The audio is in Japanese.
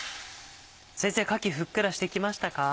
先生かきふっくらしてきましたか？